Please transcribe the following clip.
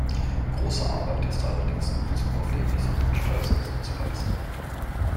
Große Arbeit ist allerdings in bezug auf die ermäßigten Steuersätze zu leisten.